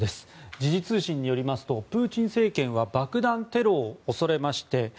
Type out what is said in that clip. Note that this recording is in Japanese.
時事通信によりますとプーチン政権は爆弾テロを恐れまして